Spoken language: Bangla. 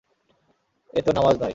এ তো নামায নয়।